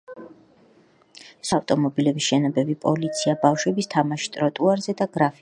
სხვა გამოსახულებებს შორისაა: ავტომობილები, შენობები, პოლიცია, ბავშვების თამაში ტროტუარზე და გრაფიტი.